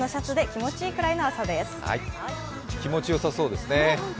気持ちよさそうですね。